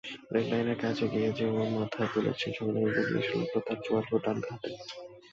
রেললাইনের কাছে পৌঁছে যেই ওপরে মাথা তুলেছেন, সঙ্গে সঙ্গে গুলি এসে লাগল তার চোয়াল ও ডান হাতে।